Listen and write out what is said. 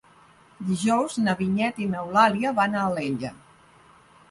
Dijous na Vinyet i n'Eulàlia van a Alella.